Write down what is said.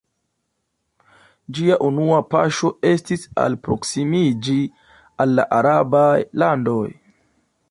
Ĝia unua paŝo estis alproksimiĝi al arabaj landoj.